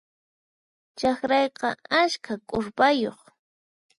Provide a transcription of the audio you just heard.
Chakrayqa askha k'urpayuq.